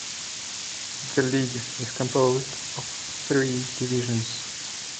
The league is composed of three divisions.